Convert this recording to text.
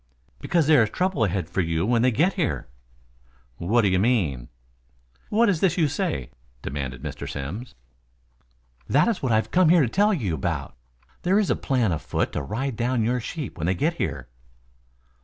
"Because there is trouble ahead for you when they get here." "What do you mean?" "What is this you say?" demanded Mr. Simms. "That is what I have come here to tell you about. There is a plan on foot to ride down your sheep when they get here."